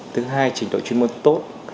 thứ hai trình độ chuyên môn tốt